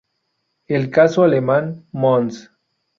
El caso alemán: Mons.